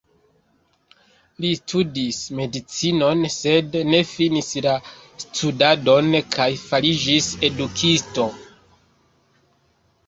Li studis medicinon, sed ne finis la studadon kaj fariĝis edukisto.